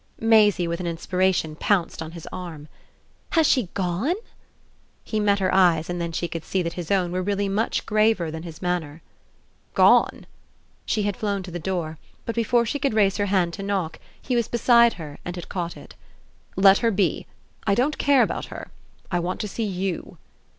Maisie, with an inspiration, pounced on his arm. "Has she GONE?" He met her eyes and then she could see that his own were really much graver than his manner. "Gone?" She had flown to the door, but before she could raise her hand to knock he was beside her and had caught it. "Let her be. I don't care about her. I want to see YOU."